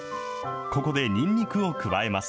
ここでにんにくを加えます。